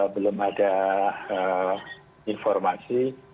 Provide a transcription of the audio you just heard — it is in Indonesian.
belum ada informasi